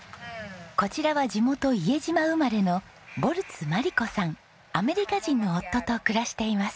こちらは地元伊江島生まれのアメリカ人の夫と暮らしています。